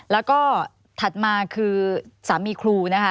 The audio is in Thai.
แล้วก็ถัดมาคือสามีครูนะคะ